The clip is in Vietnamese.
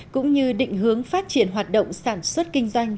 cũng như định hướng phát triển hoạt động sản xuất kinh doanh